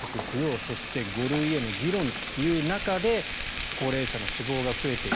そして、５類への議論という中で高齢者の死亡が増えている。